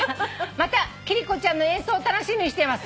「また貴理子ちゃんの演奏を楽しみにしています」